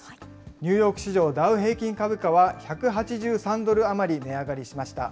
ニューヨーク市場ダウ平均株価は、１８３ドル余り値上がりしました。